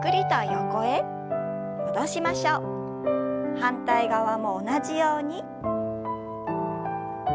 反対側も同じように。